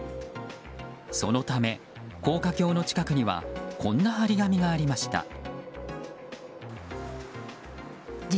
そのため、高架橋の近くにはこんな貼り紙がありました。